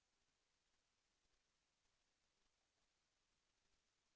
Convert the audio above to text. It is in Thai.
แสวได้ไงของเราก็เชียนนักอยู่ค่ะเป็นผู้ร่วมงานที่ดีมาก